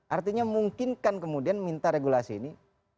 artinya mungkinkan kemudian minta regulasi ini